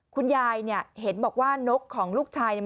คุณยายเนี่ยเห็นบอกว่านกของลูกชายเนี่ย